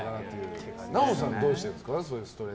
奈緒さんはどうしてるんですか